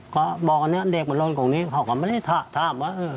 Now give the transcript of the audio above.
ก็บอกเด็กมาลงตรงนี้เราก็ไม่ได้ทาวร์